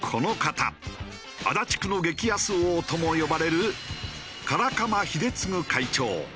足立区の激安王とも呼ばれる唐鎌秀貢会長。